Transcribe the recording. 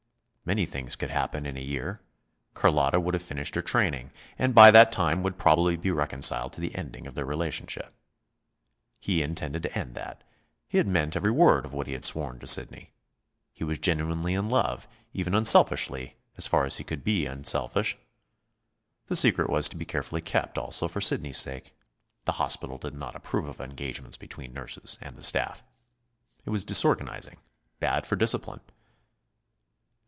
Many things could happen in a year. Carlotta would have finished her training, and by that time would probably be reconciled to the ending of their relationship. He intended to end that. He had meant every word of what he had sworn to Sidney. He was genuinely in love, even unselfishly as far as he could be unselfish. The secret was to be carefully kept also for Sidney's sake. The hospital did not approve of engagements between nurses and the staff. It was disorganizing, bad for discipline.